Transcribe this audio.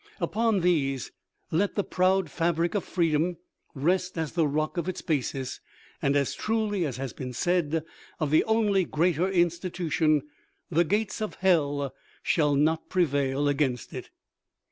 Upon these let the proud fabric of freedom rest as the rock of its basis, and as truly as has been said of the only greater institution, 'The gates of hell shall not prevail against it.'